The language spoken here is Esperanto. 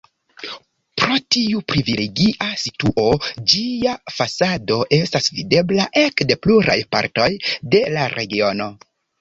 Pro tiu privilegia situo ĝia fasado estas videbla ekde pluraj partoj de la regiono.